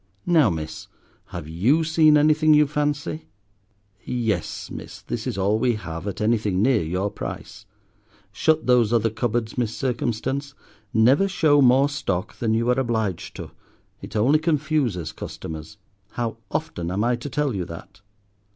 "Now, miss, have you seen anything you fancy? Yes, miss, this is all we have at anything near your price. (Shut those other cupboards, Miss Circumstance; never show more stock than you are obliged to, it only confuses customers. How often am I to tell you that?)